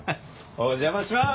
お邪魔します。